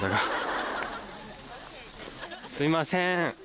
すいません。